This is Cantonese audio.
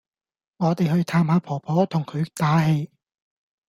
我哋去探下婆婆同佢打氣